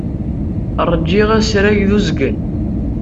Ṛjiɣ asrag d uzgen.